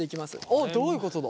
おっどういうことだ？